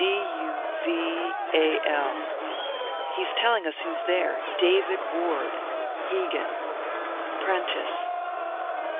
D u v a l. He's telling us who's there. David Ward. Hegan. Prentice."